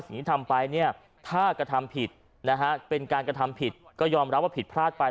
ที่ทำไปเนี่ยถ้ากระทำผิดนะฮะเป็นการกระทำผิดก็ยอมรับว่าผิดพลาดไป